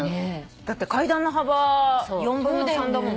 だって階段の幅４分の３だもんね。